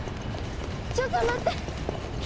ちょっと待って！